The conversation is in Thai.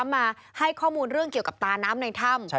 มาให้ข้อมูลเรื่องเกี่ยวกับตาน้ำในถ้ำ